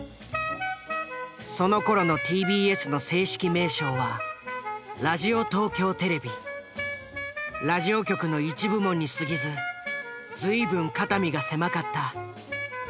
そのころのＴＢＳの正式名称はラジオ局の一部門に過ぎず随分肩身が狭かった。